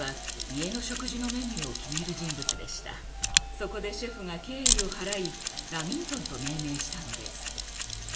そこでシェフが敬意を払い「ラミントン」と命名したのです。